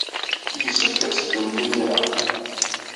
Yessefk ad teddumt imir-a.